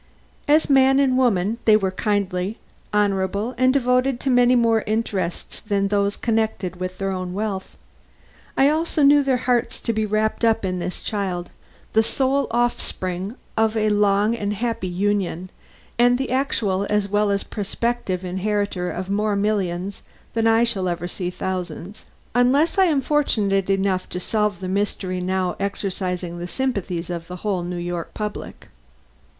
As man and woman they were kindly, honorable and devoted to many more interests than those connected with their own wealth. I also knew their hearts to be wrapped up in this child, the sole offspring of a long and happy union, and the actual as well as prospective inheritor of more millions than I shall ever see thousands, unless I am fortunate enough to solve the mystery now exercising the sympathies of the whole New York public.